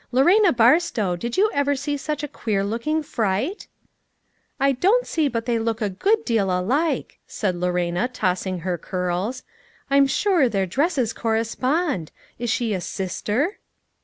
Lorena Barstow, did you ever see such a queer looking fright ?"" I don't see but they look a good deal alike," said Lorena, tossing her curls ;" I'm sure their dresses correspond ; is she a sister